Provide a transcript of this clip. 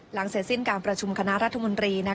เสร็จสิ้นการประชุมคณะรัฐมนตรี